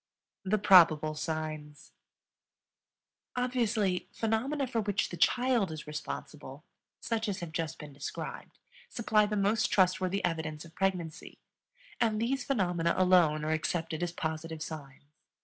THE PROBABLE SIGNS. Obviously, phenomena for which the child is responsible such as have just been described supply the most trustworthy evidence of pregnancy; and these phenomena alone are accepted as positive signs.